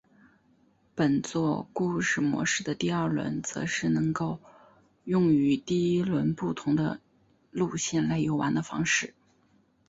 本作故事模式的第二轮则是能够用与第一轮不同的路线来游玩的方式。